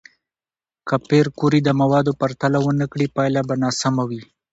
که پېیر کوري د موادو پرتله ونه کړي، پایله به ناسم وي.